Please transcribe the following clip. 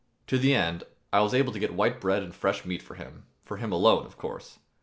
To the end, I was able to get white bread and fresh meat for him for him alone, of course.